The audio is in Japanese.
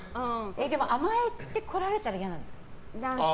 でも、男性に甘えてこられたら嫌ですか？